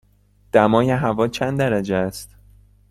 دمای هوا چند درجه است؟